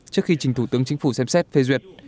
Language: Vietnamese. trước khi trình thủ tướng chính phủ xem xét phê duyệt